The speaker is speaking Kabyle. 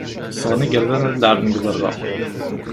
Ffɣen igerdan ad leεben deg berra.